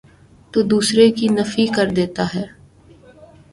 تودوسرے کی نفی کردیتا ہے۔